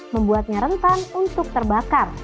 membuatnya rentan untuk terbakar